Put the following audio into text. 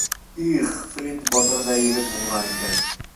— Их, Флинт батыр ҙа егет булған икән!